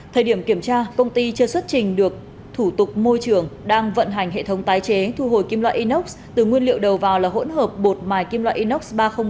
thời điểm kiểm tra công ty chưa xuất trình được thủ tục môi trường đang vận hành hệ thống tái chế thu hồi kim loại inox từ nguyên liệu đầu vào là hỗn hợp bột mài kim loại inox ba trăm linh một